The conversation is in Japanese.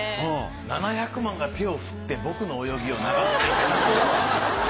７００万が手を振って僕の泳ぎを眺めていた。